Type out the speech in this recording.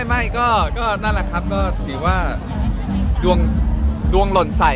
อ้อไม่ก็นั่นแหละครับคิดว่าดวงหล่นใส